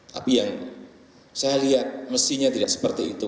tapi yang saya lihat mestinya tidak seperti itu